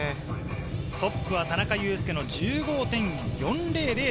トップは田中佑典の１５．４００。